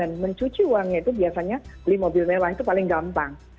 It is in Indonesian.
dan mencuci uangnya itu biasanya beli mobil mewah itu paling gampang